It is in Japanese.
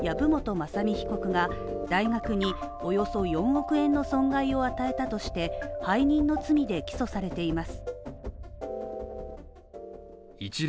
雅巳被告が大学におよそ４億円の損害を与えたとして、背任の罪で起訴されています。